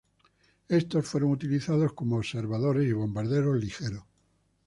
Estos fueron utilizados como observadores y bombarderos ligero.